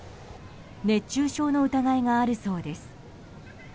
熱中症の疑いがあるそうです。